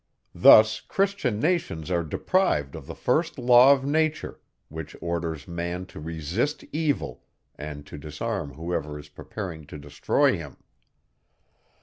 Thus Christian nations are deprived of the first law of nature, which orders man to resist evil, and to disarm whoever is preparing to destroy him!